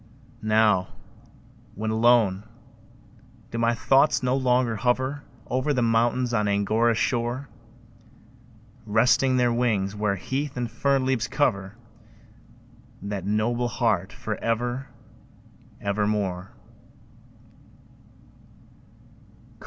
Now, when alone, do my thoughts no longer hover Over the mountains on Angora's shore, Resting their wings, where heath and fern leaves cover That noble heart for ever, ever more?